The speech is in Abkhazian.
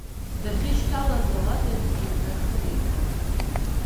Дахьышьҭалаз ауадахь сныҩнашылеит.